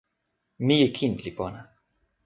mije kin li pona.